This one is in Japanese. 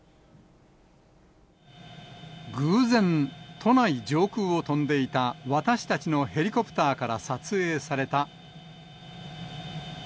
偶然、都内上空を飛んでいた私たちのヘリコプターから撮影された。